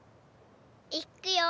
いくよ。